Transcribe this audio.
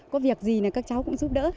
có việc gì thì các cháu cũng giúp đỡ